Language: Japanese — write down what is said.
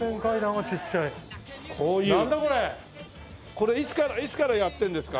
これいつからやってるんですか？